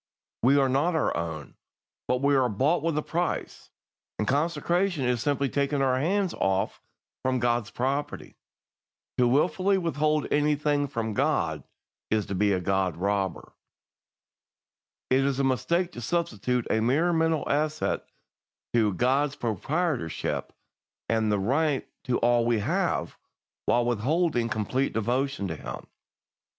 We are not our own, but we are bought with a price, and consecration is simply taking our hands off from God's property. To wilfully withhold anything from God is to be a God robber. "It is a mistake to substitute a mere mental assent to God's proprietorship and right to all we have, while withholding complete devotion to Him.